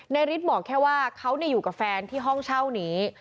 ฤทธิ์บอกแค่ว่าเขาอยู่กับแฟนที่ห้องเช่านี้